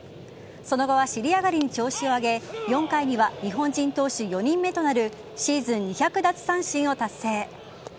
その後は尻上がりに調子を上げ４回には日本人投手４人目となるシーズン２００奪三振を達成。